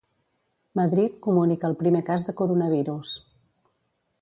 Madrid comunica el primer cas de coronavirus.